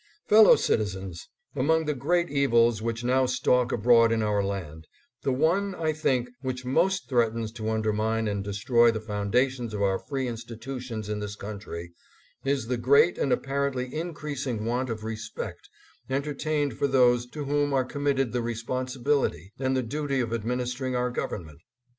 Fellow citizens ! Among the great evils which now stalk abroad in our land, the one, I think, which most threatens to undermine and destroy the foundations of our free institutions in this country is the great and apparently increasing want of respect entertained for those to whom are committed the responsibility and the duty of administering our government.